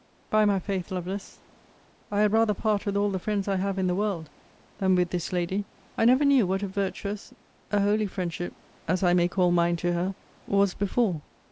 By my faith, Lovelace, I had rather part with all the friends I have in the world, than with this lady. I never knew what a virtuous, a holy friendship, as I may call mine to her, was before.